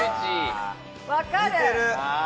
分かる。